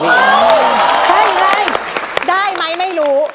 ใช่ไงได้มั้ยไม่รู้